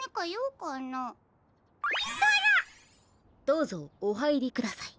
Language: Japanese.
どうぞおはいりください。